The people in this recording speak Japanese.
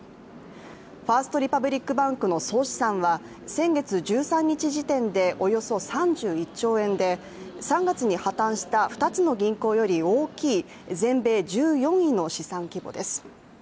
ファースト・リパブリック・バンクの総資産は先月１３日時点でおよそ３１兆円で３月に破たんした２つの銀行より大きい全米１４位の資産規模です。